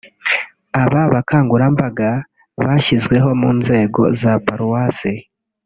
Aba bakangurambaga bashyizweho mu nzego za Paruwasi